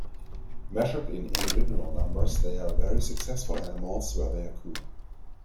Measured in individual numbers, they are very successful animals where they occur.